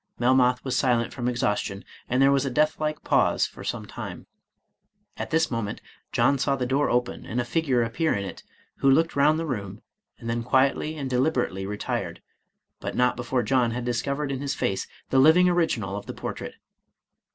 Melmoth was silent from exhaustion, and there was a deathlike pause for some time. At this moment John saw the door open, and a figure appear at it, who looked round the room, and then quietly and deliberately retired, but not before John had discovered in his face the living original of the por trait.